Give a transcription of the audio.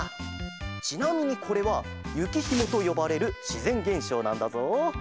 ちなみにこれはゆきひもとよばれるしぜんげんしょうなんだぞ。